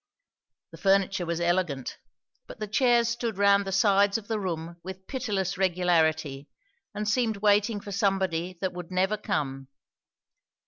The furniture was elegant; but the chairs stood round the sides of the room with pitiless regularity and seemed waiting for somebody that would never come.